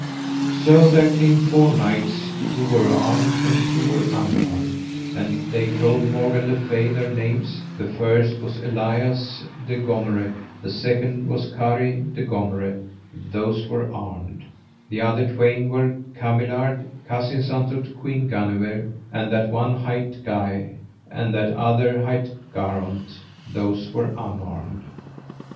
So there came four knights, two were armed, and two were unarmed, and they told Morgan le Fay their names: the first was Elias de Gomeret, the second was Cari de Gomeret, those were armed; that other twain were of Camiliard, cousins unto Queen Guenever, and that one hight Guy, and that other hight Garaunt, those were unarmed.